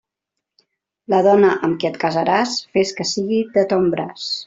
La dona amb qui et casaràs, fes que sigui de ton braç.